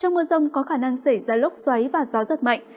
trong mưa rông có khả năng xảy ra lốc xoáy và gió giật mạnh